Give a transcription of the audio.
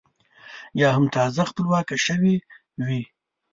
یا هم تازه خپلواکه شوې وي.